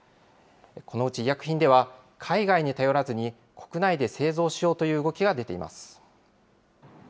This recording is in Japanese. このうち医薬品では、海外に頼らずに、国内で製造しようという動きが出ています。